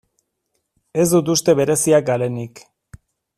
Ez dut uste bereziak garenik.